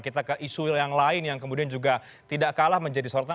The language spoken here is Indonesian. kita ke isu yang lain yang kemudian juga tidak kalah menjadi sorotan